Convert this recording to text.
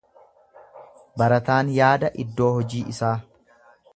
Barataan yaada iddoo hojii isaa.